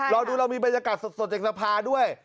รอดูเรามีบรรยากาศสดจากสภาด้วย